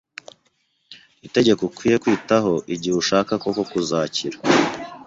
itegeko ukwiye kwitaho igihe ushaka koko kuzakira.